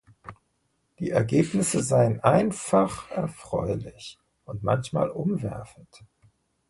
Die Ergebnisse seien einfach erfreulich und manchmal umwerfend.